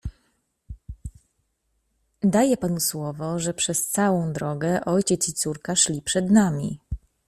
"Daję panu słowo, że przez całą drogę ojciec i córka szli przed nami."